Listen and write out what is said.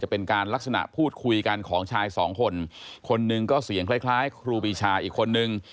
เป็นการลักษณะพูดคุยกันของชายสองคนคนหนึ่งก็เสียงคล้ายคล้ายครูปีชาอีกคนนึง